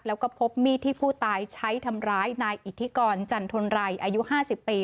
แล้วก็พบมีดที่ผู้ตายใช้ทำร้ายนายอิทธิกรจันทนไรอายุ๕๐ปี